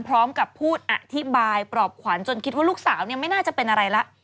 พร้อมกับพูดอธิบายปลอบขวัญจนคิดว่าลูกสาวไม่น่าจะเป็นอะไรละ